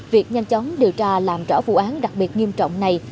việc nhanh chóng điều tra làm rõ vụ án đặc biệt nghiêm trọng này